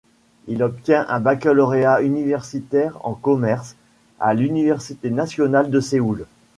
Il obtient un baccalauréat universitaire en commerce à l'université nationale de Séoul.